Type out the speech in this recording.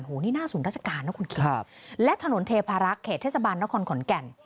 โอ้โหนี่หน้าศูนย์ราชการนะคุณคิงและถนนเทพารักษ์เขตเทศบาลนครขอนแก่น